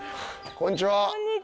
こんにちは。